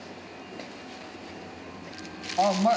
あっうまい。